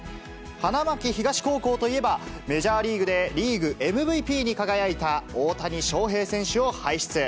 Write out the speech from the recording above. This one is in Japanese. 花巻東高校といえば、メジャーリーグでリーグＭＶＰに輝いた大谷翔平選手を排出。